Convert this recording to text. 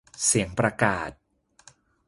เสียงประกาศ